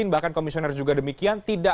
bahkan komisioner juga demikian